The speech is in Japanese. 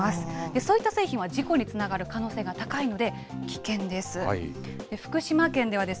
そういった製品は事故につながる可能性が高いので危険です。